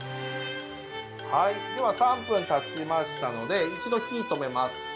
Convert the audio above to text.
はい、３分たちましたので一度火を止めます。